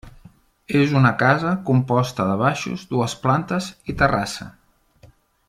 És una casa composta de baixos, dues plantes i terrassa.